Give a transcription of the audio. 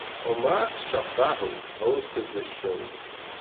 Omar Chaparro hosted the show.